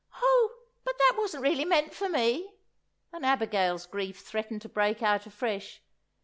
"Oh, but that wasn't really meant for me," and Abigail's grief threatened to break out afresh.